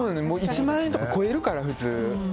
１万円とか超えるから、普通。